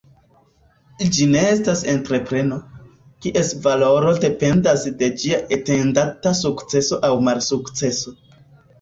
Ĝi ne estas entrepreno, kies valoro dependas de ĝia atendata sukceso aŭ malsukceso.